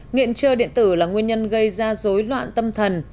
nghiện chơi điện tử là nguyên nhân gây ra dối loạn tâm thần